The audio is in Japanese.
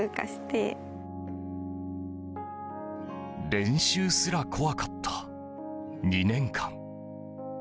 練習すら怖かった２年間。